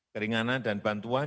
keringanan dan bantuan